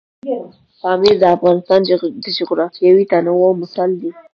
پامیر د افغانستان د جغرافیوي تنوع مثال دی.